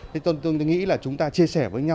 thế tôi nghĩ là chúng ta chia sẻ với nhau